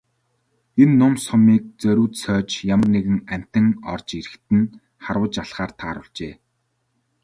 Энэ нум сумыг зориуд сойж ямар нэгэн амьтан орж ирэхэд нь харваж алахаар тааруулжээ.